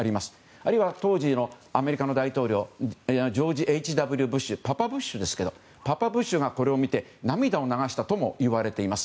あるいは当時のアメリカの大統領ジョージ・Ｈ・Ｗ・ブッシュパパブッシュがこれを見て涙を流したともいわれています。